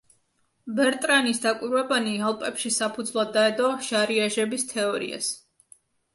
ბერტრანის დაკვირვებანი ალპებში საფუძვლად დაედო შარიაჟების თეორიას.